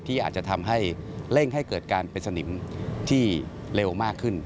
อาจจะทำให้เร่งให้เกิดการเป็นสนิมที่เร็วมากขึ้น